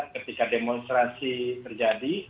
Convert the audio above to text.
ketika demonstrasi terjadi